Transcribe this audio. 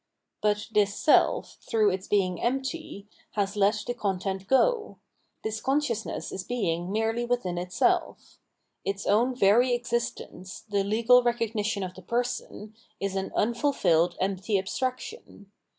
But this self, through its being empty, has let the content go; this consciousness is Being merely with in itself. Its own very existence, the legal recognition of the person, is an unfulfilled empty abstraction.